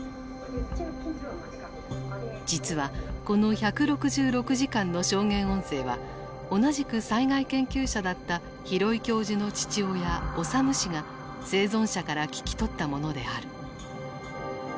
実はこの１６６時間の証言音声は同じく災害研究者だった廣井教授の父親脩氏が生存者から聞き取ったものである。